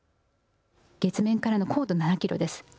月面からの高度７キロです。